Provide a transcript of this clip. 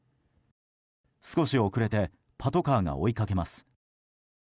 少し遅れてパトカーが追いかけます。